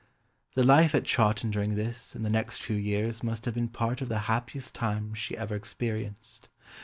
The life at Chawton during this and the next few years must have been part of the happiest time she ever experienced.